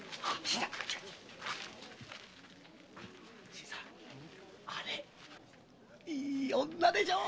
新さんあれ。いい女でしょう？